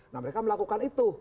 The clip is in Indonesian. nah mereka melakukan itu